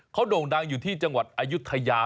เขาโด่งดังอยู่ที่จังหวัดอายุทยา